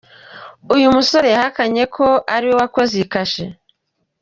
Uyu musore yahakanye ko ari we wakoze iyi kashe.